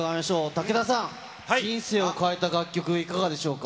武田さん、人生を変えた楽曲、いかがでしょうか。